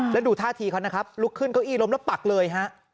แล้วดูท่าทีเขานะครับลุกขึ้นเก้าอี้ล้มแล้วปักเลยฮะ